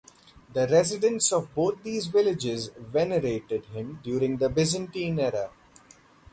The residents of both these villages venerated him during the Byzantine era.